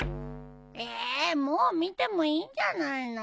ええもう見てもいいんじゃないの？